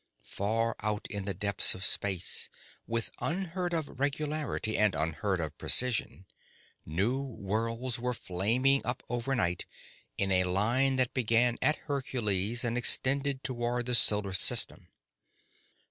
Far out in the depths of space, with unheard of regularity and unheard of precision, new worlds were flaming up overnight in a line that began at Hercules and extended toward the solar system.